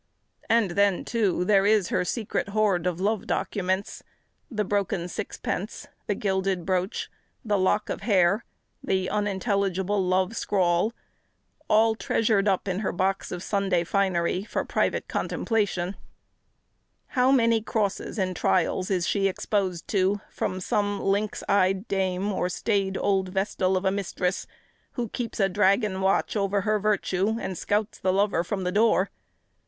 And then, too, there is her secret hoard of love documents; the broken sixpence, the gilded brooch, the lock of hair, the unintelligible love scrawl, all treasured up in her box of Sunday finery, for private contemplation. [Illustration: Love Documents] How many crosses and trials is she exposed to from some lynx eyed dame, or staid old vestal of a mistress, who keeps a dragon watch over her virtue, and scouts the lover from the door!